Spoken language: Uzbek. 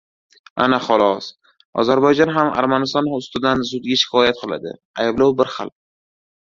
Ana xolos! Ozarbayjon ham Armaniston ustidan sudga shikoyat qiladi. Ayblov bir xil